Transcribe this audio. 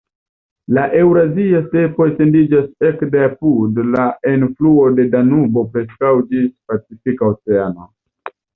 La Eŭrazia Stepo etendiĝas ekde apud la enfluo de Danubo preskaŭ ĝis Pacifika Oceano.